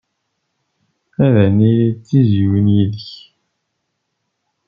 Ad nili d tizzyiwin yid-k.